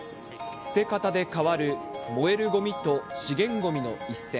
捨て方で変わる、燃えるごみと資源ごみの一線。